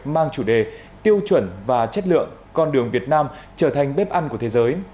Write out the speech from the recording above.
mang chủ đề tiêu chuẩn và chất lượng con đường việt nam trở thành bếp ăn của thế giới